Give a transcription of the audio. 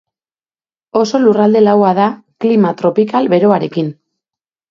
Oso lurralde laua da, klima tropikal beroarekin.